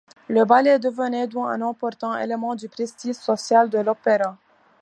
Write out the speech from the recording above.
Le ballet devenait donc un important élément du prestige social de l'opéra.